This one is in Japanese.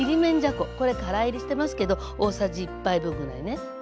これから煎りしてますけど大さじ１杯分ぐらいね。